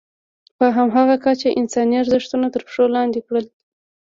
په همغه کچه یې انساني ارزښتونه تر پښو لاندې کړل.